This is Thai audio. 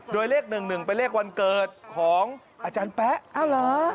โดยเลข๑๑เป็นเลขวันเกิดของอาจารย์แป๊ะอ้าวเหรอ